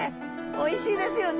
おいしいですよね。